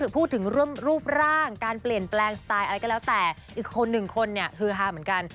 พูดถึงเรื่องรูปร่างการเปลี่ยนแปลงสไตล์อะไรก็แล้วแต่อีกคนหนึ่งคนเนี่ยฮือฮาเหมือนกัน